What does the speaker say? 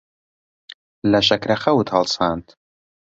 لە شەکرەخەوت هەڵساند.